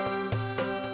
alisan maupun teman teman